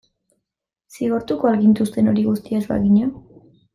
Zigortuko al gintuzten hori guztia ez bagina?